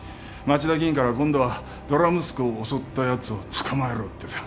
町田議員から今度はどら息子を襲ったやつを捕まえろってさ。